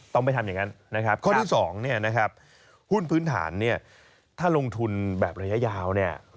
ต้องไปทำอย่างนั้นข้อที่๒หุ้นพื้นฐานถ้าลงทุนระยะยาว